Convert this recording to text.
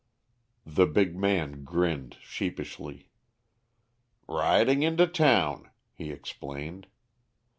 The big man grinned sheepishly. "Riding into town," he explained.